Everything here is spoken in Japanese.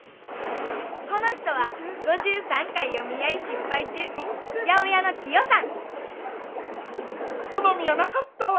この人は５３回お見合い失敗中八百屋のキヨさん好みやなかったわ。